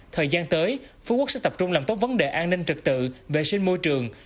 thời gian tới phú quốc sẽ tập trung làm tốt vấn đề an ninh trực tự vệ sinh môi trường